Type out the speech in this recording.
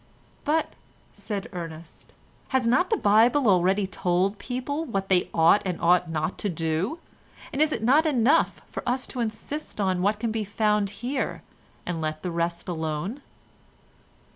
"But," said Ernest, "has not the Bible already told people what they ought and ought not to do, and is it not enough for us to insist on what can be found here, and let the rest alone?"